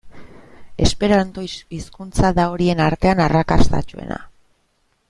Esperanto hizkuntza da horien artean arrakastatsuena.